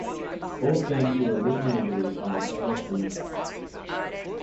Both games were originally released on the Sega Dreamcast.